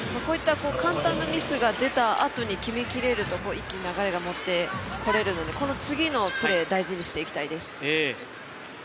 ミスが出たあとに決めきれると一気に流れを持ってこれるのでこの次のプレー、大事にしていきたいです。